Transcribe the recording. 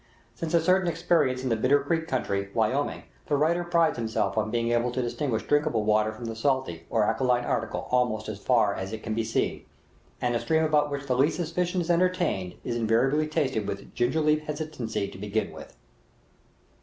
Since a certain experience in the Bitter Creek country, Wyoming, the writer prides himself on being able to distinguish drinkable water from the salty or alkaline article almost as far as it can be seen, and a stream about which the least suspicion is entertained is invariably tasted with gingerly hesitancy to begin with.